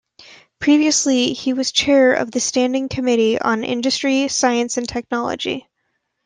Previously he was chair of the Standing Committee on Industry, Science and Technology.